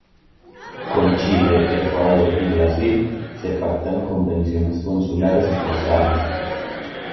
Con Chile, Ecuador y Brasil se pactan Convenciones Consulares y Postales.